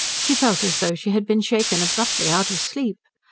She felt as though she had been shaken abruptly out of sleep.